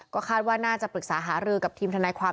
ก็คาดว่าน่าจะปรึกษาหารือกับทีมทนายความ